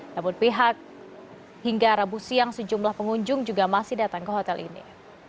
namun pihak hingga rabu siang sejumlah pengunjung juga masih datang ke hotel ini